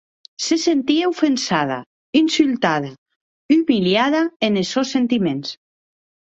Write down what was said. Se sentie ofensada, insultada, umiliada enes sòns sentiments.